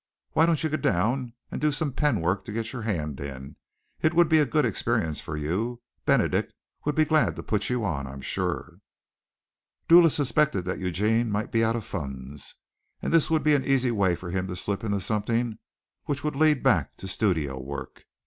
Why don't you go down and do some pen work to get your hand in? It would be a good experience for you. Benedict would be glad to put you on, I'm sure." Dula suspected that Eugene might be out of funds, and this would be an easy way for him to slip into something which would lead back to studio work.